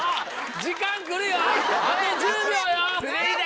時間くるよ！